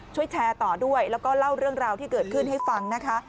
ช่วยแชร์ต่อด้วยแล้วก็เล่าเรื่องราวที่เกิดขึ้นให้ฟังนะคะ